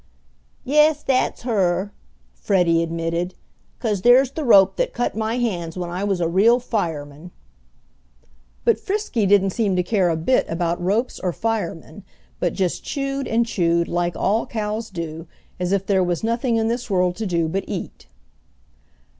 "Yes, that's her," Freddie admitted, "'cause there's the rope that cut my hands when I was a real fireman!" But Frisky didn't seem to care a bit about ropes or firemen, but just chewed and chewed like all cows do, as if there was nothing in this world to do but eat.